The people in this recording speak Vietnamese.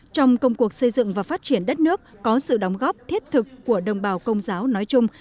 trong công cuộc xây dựng và phát triển đất nước có sự đóng góp thiết thực của đồng bào công giáo nói chung